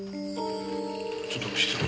ちょっと失礼。